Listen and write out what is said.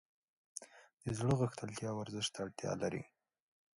د زړه غښتلتیا ورزش ته اړتیا لري.